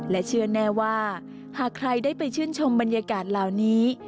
และเชื่อแน่ว่าหากใครได้ไปชื่นชมบรรยากาศเหล่านี้